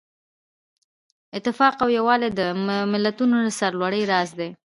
اتفاق او یووالی د ملتونو د سرلوړۍ راز دی.